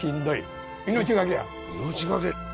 命懸け。